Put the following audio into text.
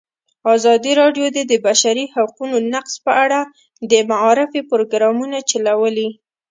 ازادي راډیو د د بشري حقونو نقض په اړه د معارفې پروګرامونه چلولي.